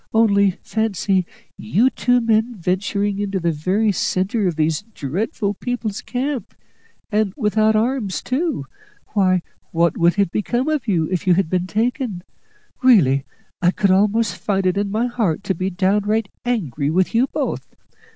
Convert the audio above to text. Only fancy, you two men venturing into the very centre of these dreadful people's camp, and without arms too! Why, what would have become of you if you had been taken? Really, I could almost find it in my heart to be downright angry with you both.